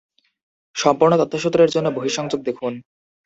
সম্পূর্ণ তথ্যসূত্রের জন্য বহিঃ সংযোগ দেখুন।